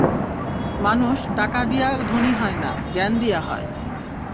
মানুষ টাকা দিয়া ধনী হয় না, জ্ঞান দিয়া হয়।